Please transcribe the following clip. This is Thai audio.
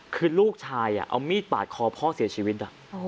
คือลูกชายเอามีดปาดคอพ่อเสียชีวิต